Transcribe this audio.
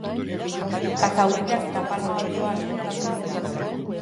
Kakahueteak eta palma olioa esportatzen dira.